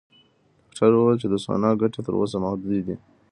ډاکټره وویل چې د سونا ګټې تر اوسه محدودې دي.